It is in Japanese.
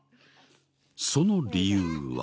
その理由は。